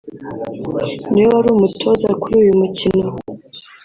niwe wari umutoza kuri uyu mukino